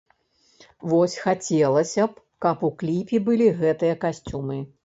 Вось, хацелася б, каб у кліпе былі гэтыя касцюмы.